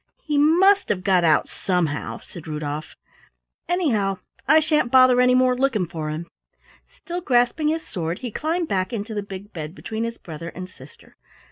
"He must have got out somehow," said Rudolf. "Anyway, I sha'n't bother any more looking for him." Still grasping his sword, he climbed back into the big bed between his brother and sister.